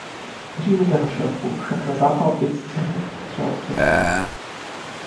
V říjnu téhož roku však na zápal plic zemřel otec Vít.